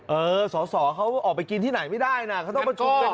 เออสอสอเขาออกไปกินที่ไหนไม่ได้นะเขาต้องประชุมต่อ